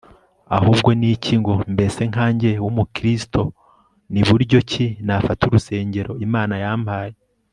ahubwo ni iki ngo, mbese nkanjye w'umukristo, ni buryo ki nafata urusengero imana yampaye